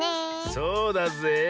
そうだぜえ。